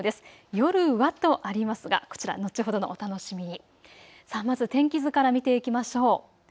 夜は、とありますがこちら後ほどのお楽しみに。